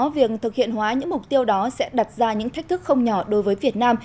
việc thực hiện hóa những mục tiêu đó sẽ đặt ra những thách thức không nhỏ đối với việt nam